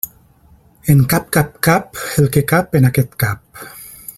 En cap cap cap el que cap en aquest cap.